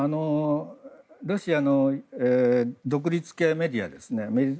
ロシアの独立系メディア